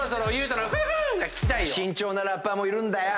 慎重なラッパーもいるんだよ！